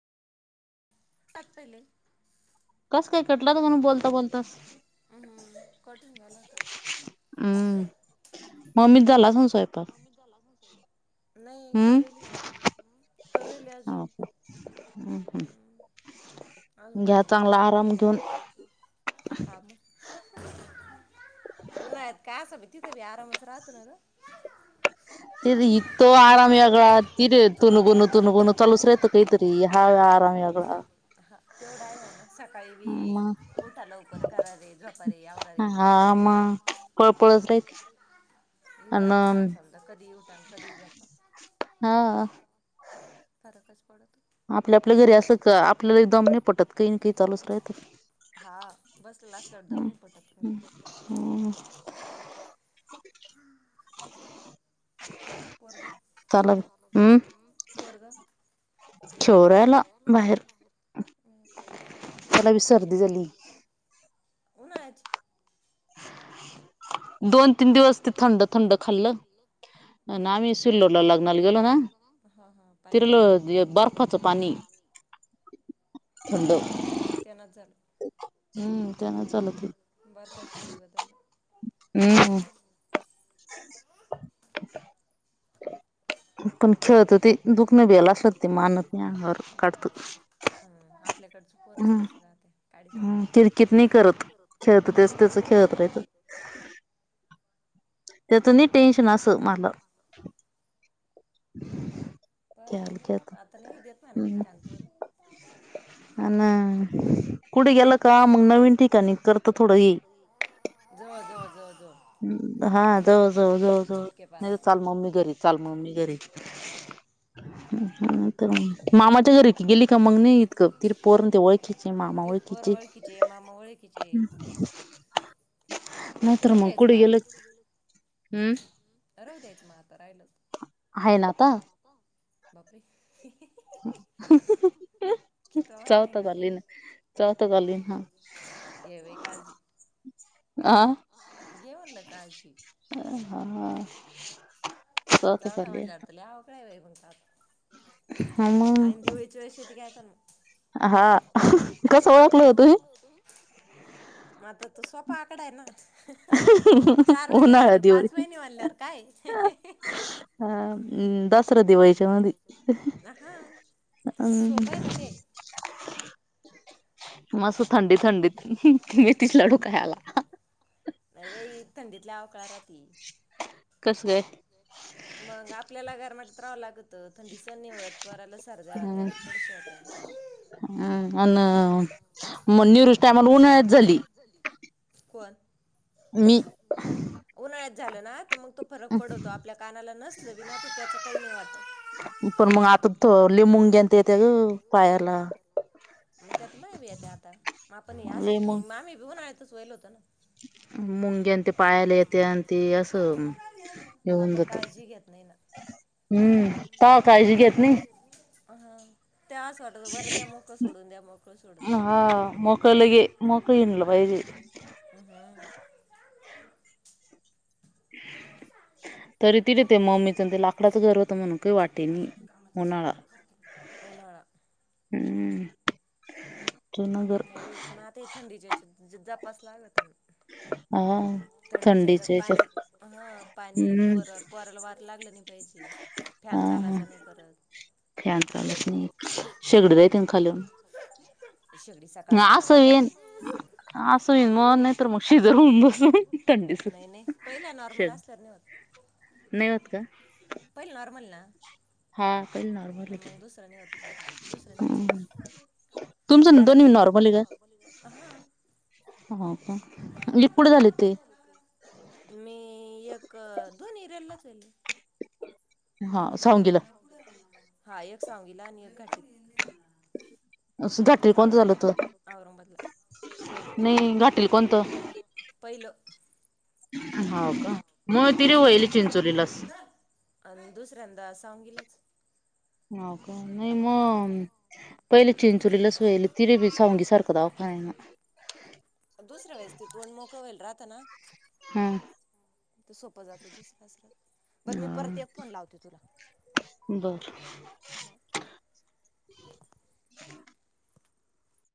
सापडलं कस काय? कटला ग म्हणून बोलता बोलतास. कट होऊन झाला का? हम्म मम्मी जलास नु [inaudible] नाई करेलु मी अजून हं करूयले अजून हं अजून भाजीच चालू अजून त पोळ्या हा म उन्हात काय असं बी तिथं बी आरामच राहतो ना ग ते इ तो आराम वेगळा तिद तुनगणू तुनगणू चालूच राहतं काहीतरी हा आराम वेगळा हं म हा म पळपळच रायती अन [inaudible] कधी ही उठा न कधी ही झोपा हा फरकच पडत आपल्या आपल्या घरी असल का आपल्याला एक दम नाही पटत काई ना काई चालूच राहीतय हम् पोरगाच चाललं हं पोरग छोरायला बाहेर त्याला बी सर्दी झाली. उन्हाळ्याची [inaudible] दोन-तीन दिवस ते थंड-थंड खाल्ल. आ आमची पोरं तर फ्रिज मधलं. परवा दिवशी लग्नाला गेलो ना. हा हा पाणी बदललं. त्यानच झालं. हूं त्यांना चालत [unintelligible] [inaudible] [inaudible] आपण खेळतो ते दुखणं बी असल ते मानत नाय अंगावर काढतो हं आपल्या इकडची पोरच तशी राहत्यात. काडी ते अंगात किटकिट नाही करत [inaudible] त्याच नाही टेन्शन अस मला [inaudible] बारच नाही रात आता नाही देत म्हणा काही ताणतवर, पुढें गेलं का मांग नवीन ठिकाणी चलत थोडा हे ज ज ज हा जो जो जो जो नाही चाल मम्मी घरी, चाल मम्मी घरी मामाच्या घरी गेली कि मग नाही इतकं ति पोरं ते ओळखीचे मामा ओळखीचे नाहीतर मग कुठे गेले राहू द्यायच म तर राहिलं हाय ना आता बापरे चौथा चालू येना चौथा चालू ये हा आ अ हा हा हा चौथा म्हणल्यावर लय आवकल्या बाई मग [unintelligible] ह मंग हा कस ओळखल हो तुम्ही? म आता तो सोपा आकडा आहे ना उन्हाळात दिवाळी, दसरा दिवाळीच्या मधी हा ते सोपं आहे ना ते नाही बाई थंडीतल्या काळराती मग आपल्याला गरमाट [unintelligible] लागत थंडी सहन नाही होत पोराला सरदया होत्या पडस होत. होय मग निवृष्ट आमला उन्हाळ्यात झाली. मी झालं ना मग तो फरक पडतो आपल्या कानाला नसल त्याच काही नाही वाटत. लय मुंग्या ते येत्या ग पायाला त्या तर म्याबियेता आता म आपण या असच ये आम्ही उन्हाळ्यात आताच वयल होत ना मुंग्या ते पायाला येते आणि ते असं येऊन जात हम् का काळजी घेत नाही आ हा हा मोकलंगे मोक हिनल पाहिजे. तरी तिथे ते मम्मीच ते लाकडाचं घर होतं म्हणून का वाटेनी उन्हाळा हम् नाही बाई पण आता थंडीच्या जपास लागत ना हा थंडीचे ह्याच्यात हम् हा हा फॅन चालत नाही शेगड लय तेन खाल अस विन अस वीन मग नाही तर मग शिजर हुन बसून थंडीच शे नाहीवत का? पहिले नॉर्मल ना मग दुसऱ्यानी दुसऱ्यानी कारण ते हा मी एक दोन इरललाच [inaudible] हा एक साविला आणि एक आठ [inaudible] औरंगाबादला औरंगाबादला पोरग नई हॉटेल कोणत? पहिल अ दुसऱ्यांद दुसऱ्यांदा सहवीलाच हो का नाही म दुसऱ्या वेळेस ते दोन मोकळ होईल रात तन सोपं जात हुत [unintelligible] बर मी परत एक फोन लावते तुला [inaudible]